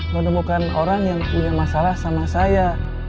menemukan orang yang punya masalah sama saya